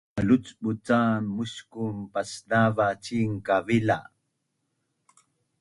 Malucbut cam muskun pasnava cin kavila